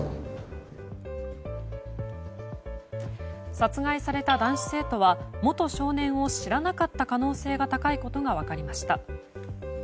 殺害された男子生徒は元少年を知らなかった可能性が高いことが分かりました。